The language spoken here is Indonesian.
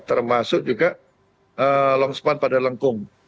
termasuk juga long span pada lengkung